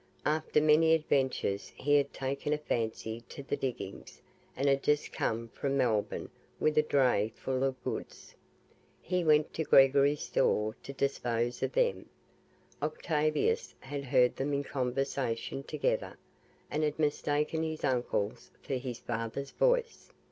After many adventures he had taken a fancy to the diggings, and had just come from Melbourne with a dray full of goods. He went to Gregory's store to dispose of them. Octavius had heard them in conversation together, and had mistaken his uncle's for his father's voice.